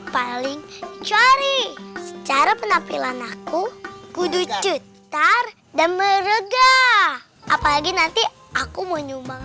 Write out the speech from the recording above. paling cari secara penampilan aku kudu cutar dan meregah apalagi nanti aku mau nyumbang